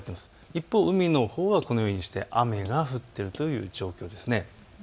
一方、海のほうはこのように雨が降っているという状況です。